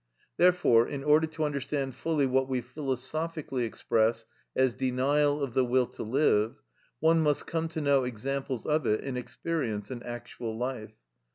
Therefore, in order to understand fully what we philosophically express as denial of the will to live, one must come to know examples of it in experience and actual life.